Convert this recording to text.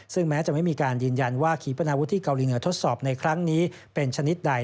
ซึ่งแม้จะไม่มีการยืนยันว่าขีปนาวุธที่เกาหลีเหนือทดสอบในครั้งนี้เป็นชนิดใด